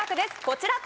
こちら！